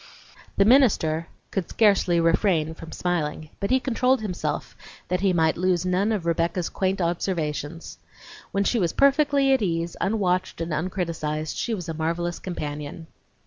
The minister could scarcely refrain from smiling, but he controlled himself that he might lose none of Rebecca's quaint observations. When she was perfectly at ease, unwatched and uncriticised, she was a marvelous companion.